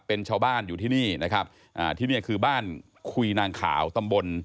เป็นชาวบ้านอยู่ที่นี่นะครับอ่าที่นี่คือบ้านคุยนางขาวตำบล